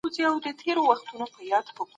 خصوصي سکتور د اقتصاد لویه برخه ده.